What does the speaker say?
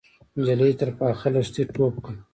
نجلۍ تر پاخه لښتي ټوپ کړ.